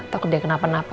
takut dia kenapa napa